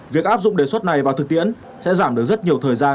việc áp dụng đề xuất này vào thực tiễn sẽ giảm được rất nhiều thời gian